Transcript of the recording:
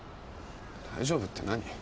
大丈夫って何？